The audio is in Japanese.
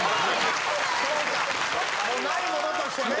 そうかもうないものとしてね。